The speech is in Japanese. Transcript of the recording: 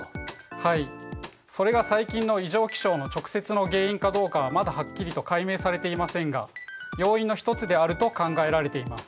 はいそれが最近の異常気象の直接の原因かどうかはまだはっきりと解明されていませんが要因の一つであると考えられています。